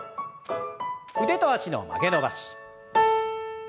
腕と脚の曲げ伸ばし。